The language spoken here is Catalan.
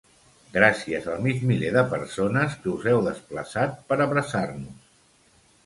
Gràcies al mig miler de persones que us heu desplaçat per abraçar-nos.